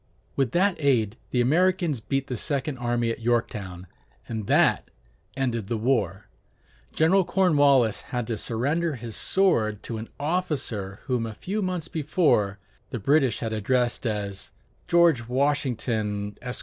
With that aid, the Americans beat the second army at Yorktown, and that ended the war. General Cornwallis had to surrender his sword to an officer whom a few months before the British had addressed as "George Washington, Esq.